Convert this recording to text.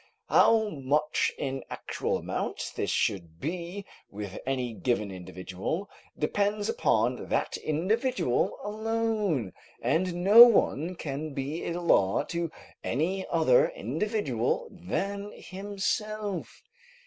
How much in actual amount this should be with any given individual depends upon that individual alone, and no one can be a law to any other individual than himself.